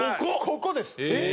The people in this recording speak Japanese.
ここです。